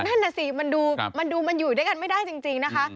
นั่นน่ะสิมันดูมันอยู่ด้วยกันไม่ได้จริงนะคะ